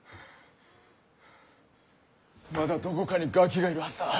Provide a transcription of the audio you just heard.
まだどこかにガキがいるはずだ。